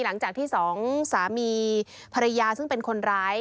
หลังจากที่สองสามีภรรยาซึ่งเป็นคนร้าย